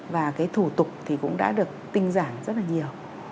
và cái thủ tục thì cũng đã được tinh giản rất là nhiều